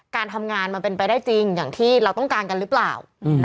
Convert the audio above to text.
การทำงานมันเป็นไปได้จริงอย่างที่เราต้องการกันหรือเปล่า